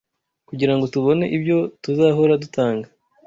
kugira ngo tubone ibyo tuzahora dutanga